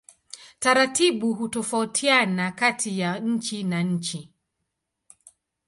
Taratibu hutofautiana kati ya nchi na nchi.